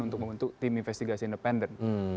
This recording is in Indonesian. untuk membentuk tim investigasi independen